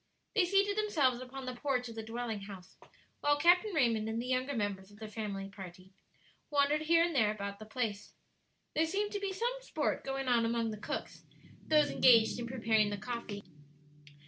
They seated themselves upon the porch of the dwelling house, while Captain Raymond and the younger members of their family party wandered here and there about the place. There seemed to be some sport going on among the cooks those engaged in preparing the coffee.